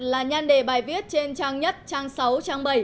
là nhan đề bài viết trên trang nhất trang sáu trang bảy